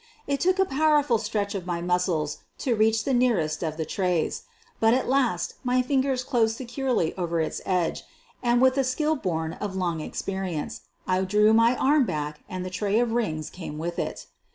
It took a powerful stretch of my muscles to reach the nearest of the trays. But at last my fingers closed securely over its edge, and, with a skill born of long experience, I drew my arm back and the tray of rings came with it.